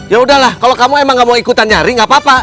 ya udahlah kalau kamu emang gak mau ikutan nyari gak apa apa